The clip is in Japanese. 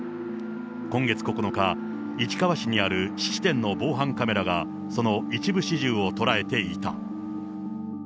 今月９日、市川市にある質店の防犯カメラが、その一部始終を捉えていた。